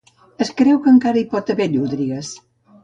Es creu que encara hi pot haver llúdrigues.